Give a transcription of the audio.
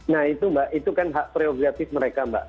nah itu mbak itu kan hak prerogatif mereka mbak